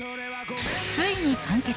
ついに完結！